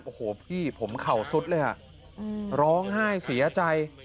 โอ้โหพี่ผมเข่าสุดเลยอ่ะร้องไห้เสียใจ